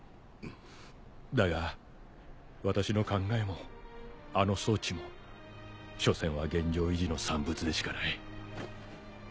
だが私の考えもあの装置もしょせんは現状維持の産物でしかない。